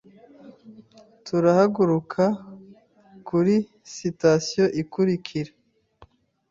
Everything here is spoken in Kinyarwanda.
Turahaguruka kuri sitasiyo ikurikira.